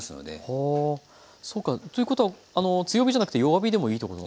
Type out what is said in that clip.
はあそうか。ということは強火じゃなくて弱火でもいいってことなんですね。